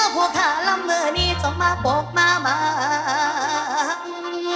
ผัวขาล้ำเมินนี้จงมาโปกมาบ้าง